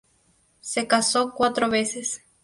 Se casó cuatro veces.